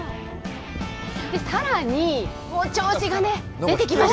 さらに、もう調子が出てきました。